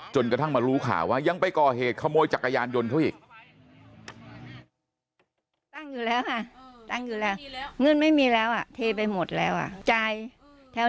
กระทั่งมารู้ข่าวว่ายังไปก่อเหตุขโมยจักรยานยนต์เขาอีก